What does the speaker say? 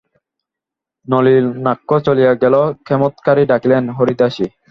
নলিনাক্ষ চলিয়া গেলে ক্ষেমংকরী ডাকিলেন, হরিদাসী!